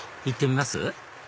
行ってみます？